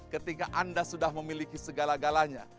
ketika anda sudah memiliki segala galanya